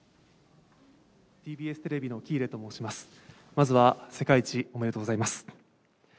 まずは世界一おめでとうございます。